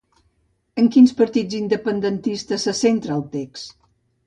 En quins partits independentistes se centra el text?